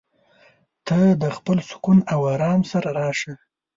ته د خپل سکون او ارام سره راشه.